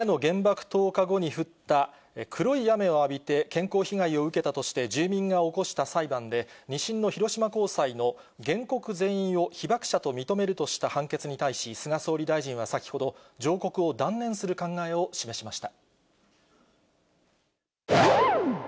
一部地域では字幕でもお伝えしましたが、広島への原爆投下後に降った黒い雨を浴びて健康被害を受けたとして、住民が起こした裁判で、２審の広島高裁の原告全員を被爆者と認めるとした判決に対し、菅総理大臣は先ほど上告を断念する考えを示しました。